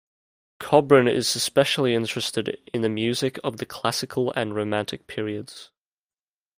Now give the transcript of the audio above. Kobrin is especially interested in the music of the classical and romantic periods.